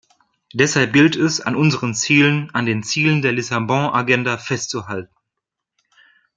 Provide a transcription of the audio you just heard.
Deshalb gilt es, an unseren Zielen, an den Zielen der Lissabon-Agenda festzuhalten.